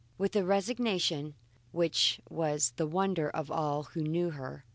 With a resignation which was the wonder of all who knew her.